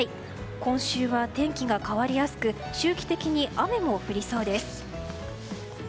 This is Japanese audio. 今週は天気が変わりやすく周期的に雨も降りそうです。